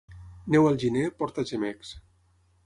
Neu al gener, porta gemecs.